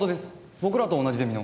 僕らと同じゼミの。